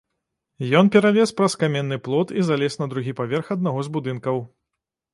Ён пералез праз каменны плот і залез на другі паверх аднаго з будынкаў.